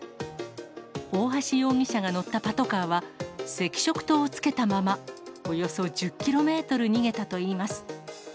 オオハシ容疑者が乗ったパトカーは、赤色灯をつけたまま、およそ１０キロメートル逃げたといいます。